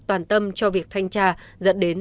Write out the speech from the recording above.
toàn tâm cho việc thanh tra dẫn đến